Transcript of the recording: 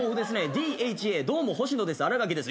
ＤＨＡどうも星野です新垣です。